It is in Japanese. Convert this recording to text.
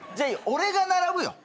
俺が並ぶよ。